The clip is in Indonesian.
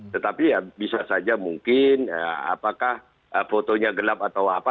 tetapi ya bisa saja mungkin apakah fotonya gelap atau apa